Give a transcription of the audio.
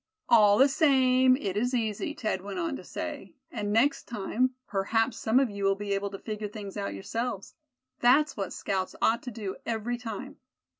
"All the same, it is easy," Thad went on to say, "and next time, perhaps some of you will be able to figure things out yourselves. That's what scouts ought to do every time.